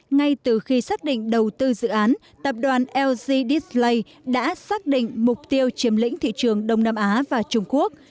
ngay từ khi xác định đầu tư dự án tập đoàn ldg dieslay đã xác định mục tiêu chiếm lĩnh thị trường đông nam á và trung quốc